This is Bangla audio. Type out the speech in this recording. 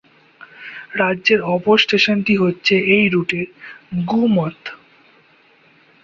রাজ্যের অপর স্টেশনটি হচ্ছে এই রুটের গুমত।